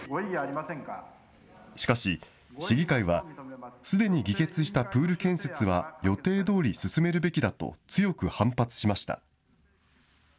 しかし、市議会はすでに議決したプール建設は予定どおり進めるべきだと強く反発しました。